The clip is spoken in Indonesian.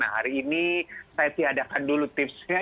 nah hari ini saya tiadakan dulu tipsnya